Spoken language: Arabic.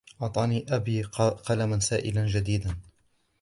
أعطاني أبي قلمًا سائلًا جديدًا.